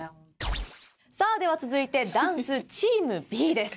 さあでは続いてダンスチームＢです。